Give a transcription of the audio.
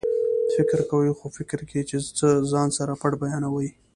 فکر کوئ خو فکر کې چې څه ځان سره پټ بیانوي